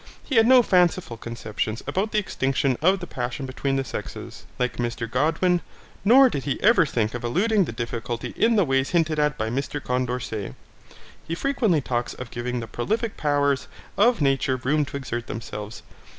He had no fanciful conceptions about the extinction of the passion between the sexes, like Mr Godwin, nor did he ever think of eluding the difficulty in the ways hinted at by Mr Condorcet. He frequently talks of giving the prolifick powers of nature room to exert themselves.